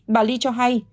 bà lee cho hay